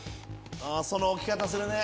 その置き方するね。